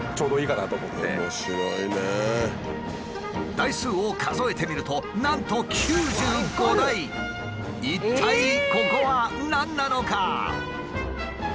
台数を数えてみるとなんと一体ここは何なのか？